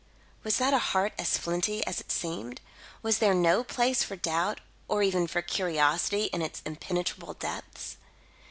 Was that heart as flinty as it seemed? Was there no place for doubt or even for curiosity, in its impenetrable depths?